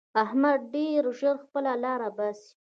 احمد ډېر ژر خپله لاره باسي.